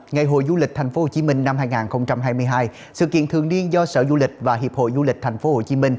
ngày hội du lịch tp hcm năm hai nghìn hai mươi hai sự kiện thường niên do sở du lịch và hiệp hội du lịch tp hcm